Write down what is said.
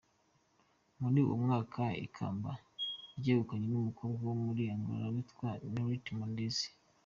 Muri uwo mwaka ikamba ryegukanwe n’umukobwa wo muri Angola witwa Nerite Mendezi.